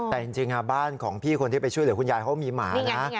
แต่จริงบ้านของพี่คนที่ไปช่วยเหลือคุณยายเขามีหมานะ